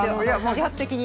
自発的に。